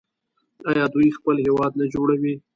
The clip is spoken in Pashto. آیا دوی خپل هیواد نه جوړوي؟